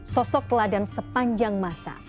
sosok teladan sepanjang masa